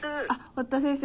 堀田先生。